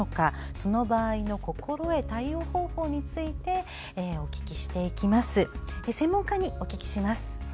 その場合の心得対応方法について専門家にお聞きします。